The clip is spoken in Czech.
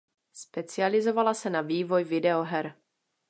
Specializovala se na vývoj videoher.